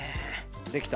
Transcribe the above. できた。